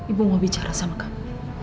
ibu mau bicara sama kamu